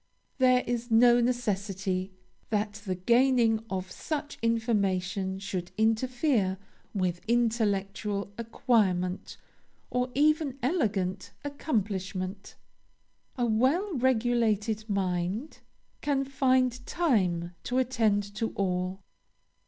There is no necessity that the gaining of such information should interfere with intellectual acquirement or even elegant accomplishment. A well regulated mind can find time to attend to all.